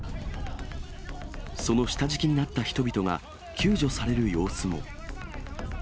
その下敷きになった人々が救助される様子も。